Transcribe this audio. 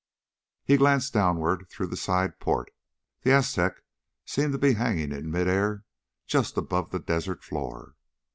He glanced downward through the side port. The Aztec seemed to be hanging in mid air just above the desert floor.